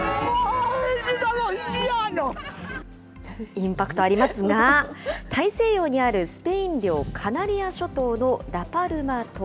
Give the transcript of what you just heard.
インパクトありますが、大西洋にあるスペイン領カナリア諸島のラパルマ島。